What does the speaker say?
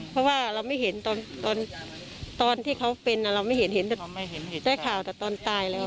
เพราะว่าเราไม่เห็นตอนที่เขาเป็นเราไม่เห็นเห็นได้ข่าวแต่ตอนตายแล้ว